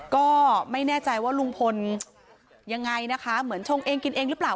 ก็ไม่แน่ใจว่าลุงพลยังไงนะคะเหมือนชงเองกินเองหรือเปล่า